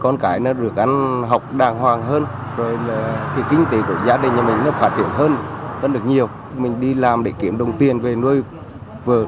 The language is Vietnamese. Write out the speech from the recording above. nó đẹp đẹp